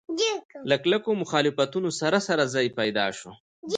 له کلکو مخالفتونو سره سره ځای پیدا شو.